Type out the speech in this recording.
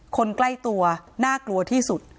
คนใกล้ตัวน่ากลัวที่สุด